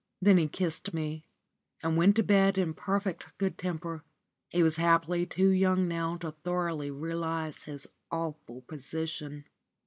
Then he kissed me, and went to bed in perfect good temper. He was happily too young now to thoroughly realise his awful position.